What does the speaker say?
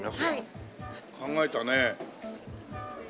考えたね。